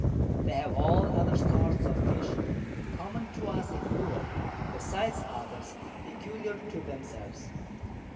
They have all other sorts of Fish, common to us in Europe, besides others, peculiar to themselves.